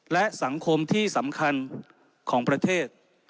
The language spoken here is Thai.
และสังคมที่สำคัญของประเทศ